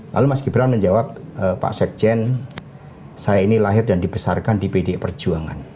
lalu mas gibran menjawab pak sekjen saya ini lahir dan dibesarkan di pdi perjuangan